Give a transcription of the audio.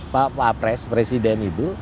pak pres presiden itu